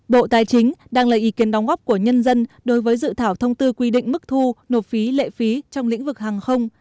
bộ tài chính đang lấy ý kiến đóng góp của nhân dân đối với dự thảo thông tư quy định mức thu nộp phí lệ phí trong lĩnh vực hàng không